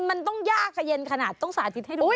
มันต้องยากเย็นขนาดต้องสาธิตให้ดู